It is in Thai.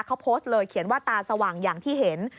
เขาโพสต์เลยเขียนว่าตาสว่างอย่างที่เห็น